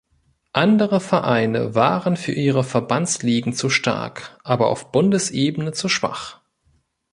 Andere Vereine waren für ihre Verbandsligen zu stark, aber auf Bundesebene zu schwach.